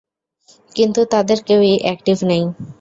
কিন্তু তাদের কেউই এক্টিভ নেই।